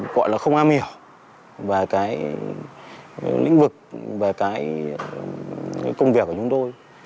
gọi là không am hiểu về cái lĩnh vực về cái công việc của chúng tôi